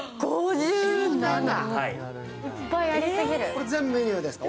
これ全部メニューですか。